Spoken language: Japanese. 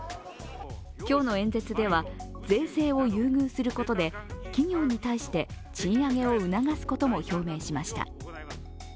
今日の演説では税制を優遇することで、企業に対して賃上げを促すことも表明しました。